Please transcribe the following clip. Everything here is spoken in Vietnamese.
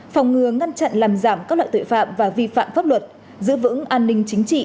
phòng ngừa ngăn chặn làm giảm các loại tội phạm và vi phạm pháp luật giữ vững an ninh chính trị